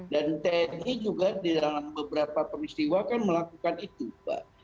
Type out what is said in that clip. dan tni juga di dalam beberapa peristiwa melakukan itu pak